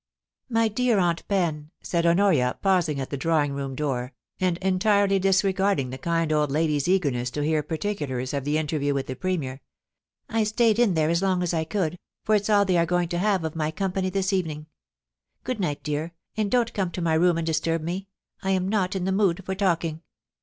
* My dear Aunt Pen,' said Honoria, pausing at the draw ing room door, and entirely disregarding the kind old lady's eagerness to hear particulars of the interview with the Premier. * I stayed in there as long as I could, for it's all they are going to have of my company this evening. Good night, dear, and don't come to my room and disturb me ; I am not in the mood for talking.